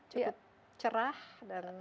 cukup cerah dan